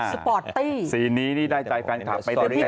สปอร์ตตี้สีนี้นี่ได้ใจแฟนคลับไปเต็มเลยสปอร์ตตี้